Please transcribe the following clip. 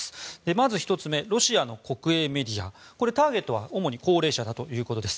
まず１つ目ロシアの国営メディアターゲットは主に高齢者だということです。